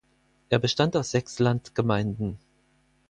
Er bestand aus sechs Landgemeinden.